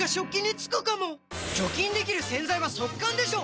除菌できる洗剤は速乾でしょ！